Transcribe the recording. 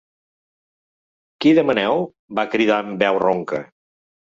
Qui demaneu? –va cridar amb veu ronca.